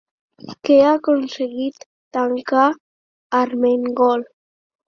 Què ha aconseguit tancar Armengol?